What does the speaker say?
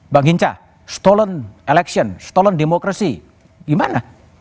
bang hinca stolen election stolen demokrasi gimana